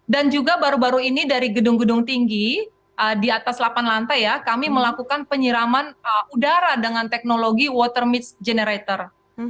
dan juga baru baru ini dari gedung gedung tinggi di atas delapan lantai ya kami melakukan penyiraman udara dengan teknologi water mix generator